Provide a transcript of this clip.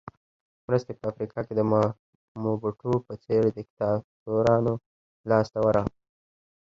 مرستې په افریقا کې د موبوټو په څېر دیکتاتورانو لاس ته ورغلې.